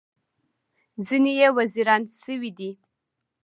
ځینې یې وزیران شوي دي.